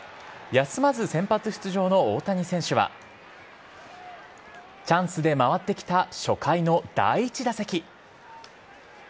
休まず先発出場の大谷選手はチャンスで回ってきた初回の第１打席。